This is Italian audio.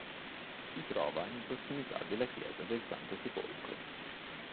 Si trova in prossimità della chiesa del Santo Sepolcro.